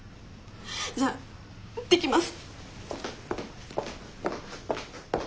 じゃあいってきます。